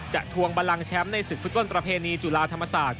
ทวงบันลังแชมป์ในศึกฟุตบอลประเพณีจุฬาธรรมศาสตร์